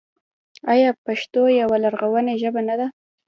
آیا پښتو یوه لرغونې ژبه نه ده؟